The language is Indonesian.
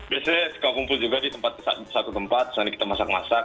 biasanya suka kumpul juga di satu tempat misalnya kita masak masak